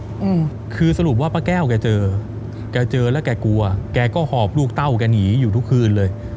อืมคือสรุปว่าป้าแก้วแกเจอแกเจอแล้วแกกลัวแกก็หอบลูกเต้าแกหนีอยู่ทุกคืนเลย